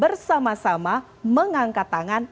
bersama sama mengangkat tangan